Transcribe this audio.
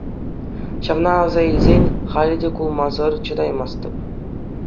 Ҫавна аса илсен, халӗ те кулмасӑр чӑтаймастӑп.